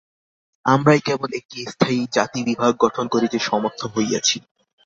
আমরাই কেবল একটা স্থায়ী জাতিবিভাগ গঠন করিতে সমর্থ হইয়াছি।